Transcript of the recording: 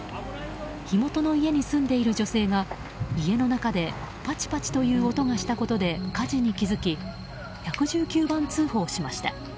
火元の家に住んでいる女性が家の中でパチパチという音がしたことで火事に気付き１１９番通報しました。